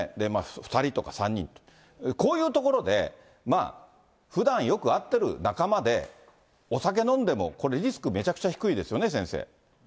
２人とか３人とか、こういう所でふだん、よく会ってる仲間でお酒飲んでも、これリスクめちゃくちゃ低いですよね、先生。